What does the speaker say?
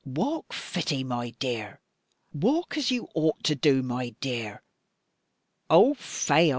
"Walk fitty, my dear; walk as you ought to do, my dear. Oh fai!